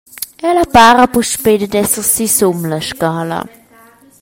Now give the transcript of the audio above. Ella para puspei dad esser sisum la scala.